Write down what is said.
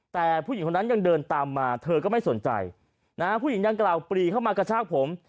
แต่ผู้หญิงคนนั้นยังเดินตามมาเธอก็ไม่สนใจนะฮะผู้หญิงดังกล่าวปรีเข้ามากระชากผม